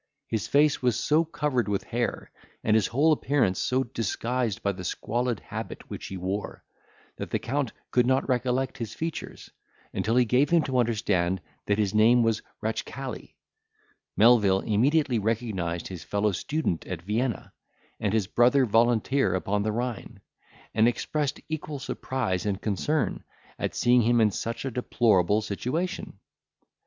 His face was so covered with hair, and his whole appearance so disguised by the squalid habit which he wore, that the Count could not recollect his features, until he gave him to understand that his name was Ratchcali. Melvil immediately recognised his fellow student at Vienna, and his brother volunteer upon the Rhine, and expressed equal surprise and concern at seeing him in such a deplorable situation.